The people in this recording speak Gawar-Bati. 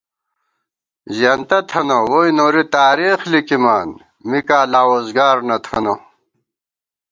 زېنتہ تھنہ ووئی نوری تارېخ لِکِمان مِکاں لا ووزگار نہ تھنہ